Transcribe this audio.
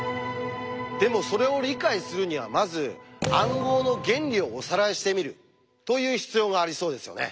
でもそれを理解するにはまず暗号の原理をおさらいしてみるという必要がありそうですよね。